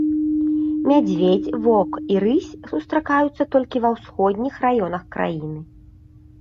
Мядзведзь, воўк і рысь сустракаюцца толькі ва ўсходніх раёнах краіны.